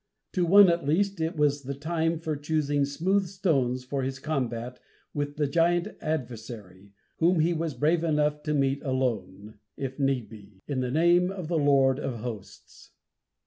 To one, at least, it was the time for choosing "smooth stones" for his combat with the giant adversary, whom he was brave enough to meet alone, if need be, "in the name of the Lord of Hosts."